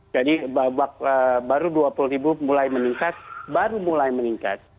jadi baru dua puluh ribu mulai meningkat baru mulai meningkat